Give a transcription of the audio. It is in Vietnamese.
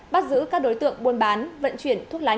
bắt giữ các đối tượng buôn bán vận chuyển thuốc lá